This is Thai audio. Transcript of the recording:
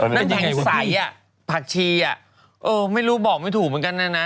น้ำแข็งใสอ่ะผักชีอ่ะเออไม่รู้บอกไม่ถูกเหมือนกันนะนะ